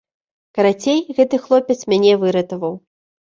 Карацей, гэты хлопец мяне выратаваў.